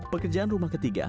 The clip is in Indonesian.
pekerjaan rumah ketiga